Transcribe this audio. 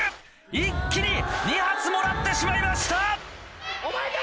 一気に２発もらってしまいました。